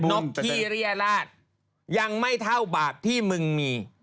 พี่หนุ่มเคลียร์ราชยังไม่เท่าบาปที่มึงมี